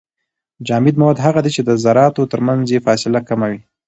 جامد مواد هغه دي چي د زراتو ترمنځ يې فاصله کمه وي.